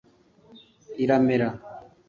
iramera